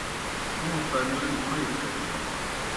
موں پمَیلیْ کھوئی تھیسِن۔